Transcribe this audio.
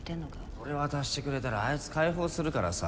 それ渡してくれたらあいつ解放するからさ。